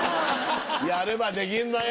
やればできるのよ。